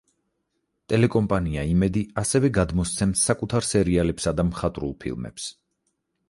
ტელეკომპანია იმედი ასევე გადმოსცემს საკუთარ სერიალებსა და მხატვრულ ფილმებს.